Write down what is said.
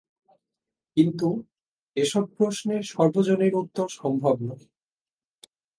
কিন্তু এ-সব প্রশ্নের সর্বজনীন উত্তর সম্ভব নয়।